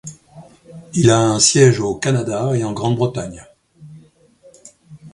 Il a un siège au Canada et en Grande-Bretagne.